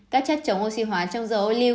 các chất chống oxy hóa trong dầu ô lưu